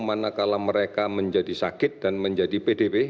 mana kalau mereka menjadi sakit dan menjadi pdp